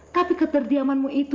tapi keterdiamanmu itu